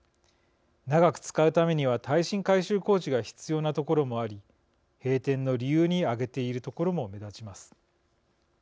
長く使うためには耐震改修工事が必要な所もあり閉店の理由に挙げている所も目立ちます。